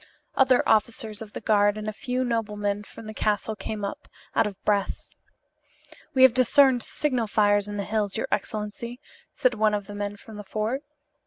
Other officers of the guard and a few noblemen from the castle came up, out of breath. "We have discerned signal fires in the hills, your excellency," said one of the men from the fort.